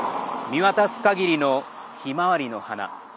見渡すかぎりのひまわりの花。